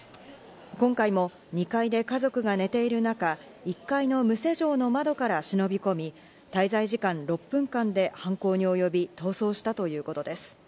今回も２階で家族が寝ている中、１階の無施錠の窓から忍び込み、滞在時間６分間で犯行におよび逃走したということです。